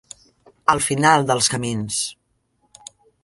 Al final dels camins.